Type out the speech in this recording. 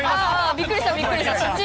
びっくりした、びっくりした。